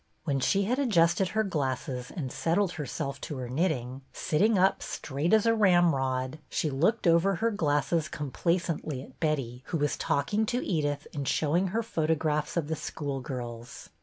When she had adjusted her glasses and settled herself to her knitting, sitting up straight as a ramrod, she looked over her glasses complacently at Betty, who was talk ing to Edith and showing her photographs of the schoolgirls.